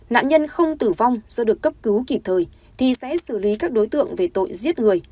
nạn nhân không tử vong do được cấp cứu kịp thời thì sẽ xử lý các đối tượng về tội giết người